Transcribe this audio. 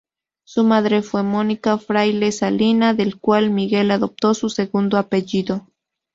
Su madre fue Mónica Fraile Salina, del cual Miguel adoptó su segundo apellido.